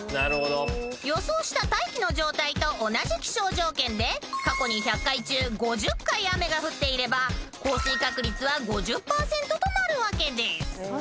［予想した大気の状態と同じ気象条件で過去に１００回中５０回雨が降っていれば降水確率は５０％となるわけです］